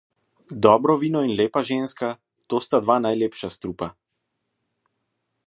Dobro vino in lepa ženska - to sta dva najlepša strupa.